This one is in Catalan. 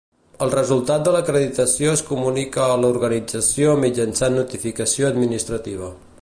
El resultat de l'acreditació es comunica a l'organització mitjançant notificació administrativa.